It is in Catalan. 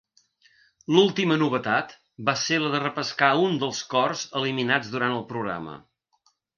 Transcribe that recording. L'última novetat va ser la de repescar un dels cors eliminats durant el programa.